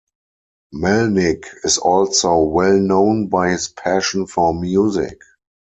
Melnick is also well known by his passion for music.